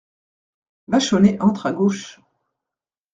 Vachonnet entre à gauche.